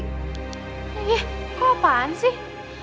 eh kok apaan sih